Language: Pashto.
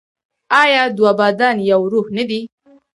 آیا دوه بدن یو روح نه دي؟